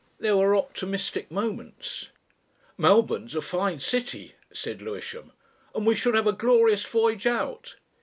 There were optimistic moments. "Melbourne's a fine city," said Lewisham, "and we should have a glorious voyage out."